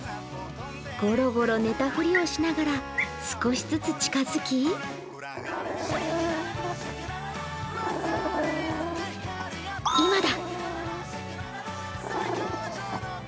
ごろごろ寝たふりをしながら少しずつ近づき今だ！